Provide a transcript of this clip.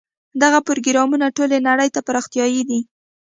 دغه پروګرامونه ټولې نړۍ ته پراختیايي دي.